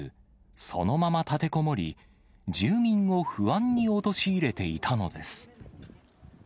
そのまま立てこもり、住民を不安に陥れていたのです。